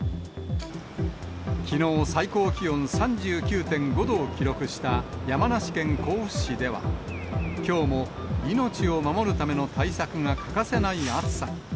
きのう、最高気温３９．５度を記録した山梨県甲府市では、きょうも命を守るための対策が欠かせない暑さに。